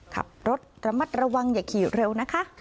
ขับรถระมัดระวังอย่าขี่เร็วนะคะ